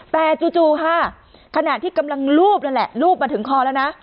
แต่จู่ค่ะขณะที่กำลังลูบนั่นแหละรูปมาถึงคอแล้วนะ